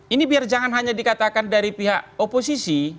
ini biar jangan hanya dikatakan dari pihak oposisi